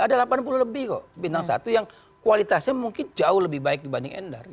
ada delapan puluh lebih kok bintang satu yang kualitasnya mungkin jauh lebih baik dibanding endar